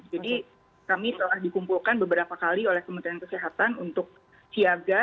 jadi kami telah dikumpulkan beberapa kali oleh kementerian kesehatan untuk siaga